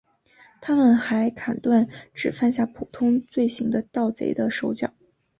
他们还砍断只犯下普通罪行的盗贼的手脚。